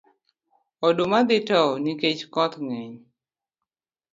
Oduma dhi tow nikech koth ngeny.